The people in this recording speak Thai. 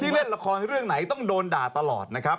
เล่นละครเรื่องไหนต้องโดนด่าตลอดนะครับ